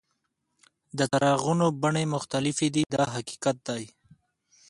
د څراغونو بڼې مختلفې دي دا حقیقت دی.